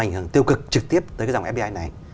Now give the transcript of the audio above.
ảnh hưởng tiêu cực trực tiếp tới cái dòng fdi này